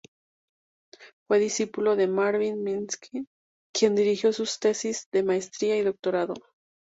Fue discípulo de Marvin Minsky, quien dirigió sus tesis de maestría y doctorado.